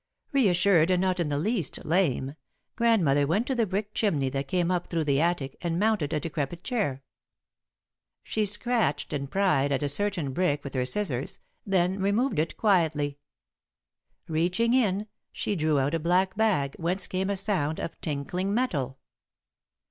Reassured, and not in the least lame, Grandmother went to the brick chimney that came up through the attic, and mounted a decrepit chair. She scratched and pried at a certain brick with her scissors, then removed it quietly. Reaching in, she drew out a black bag, whence came a sound of tinkling metal.